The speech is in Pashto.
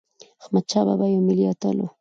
احمدشاه بابا یو ملي اتل دی.